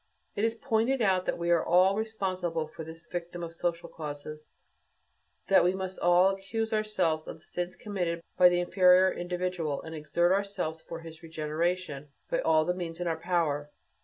It has pointed out that we are all responsible for this victim of social causes, that we must all accuse ourselves of the sins committed by the inferior individual, and exert ourselves for his regeneration by all the means in our power.